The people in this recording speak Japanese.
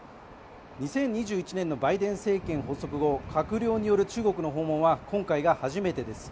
２０２１年のバイデン政権発足後閣僚による中国の訪問は今回が初めてです。